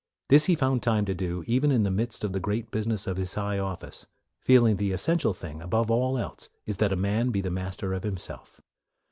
This he found time to do, even in the midst of the great business of his high office, feeling that the essential thing, above all else, is that a man be the master of himself.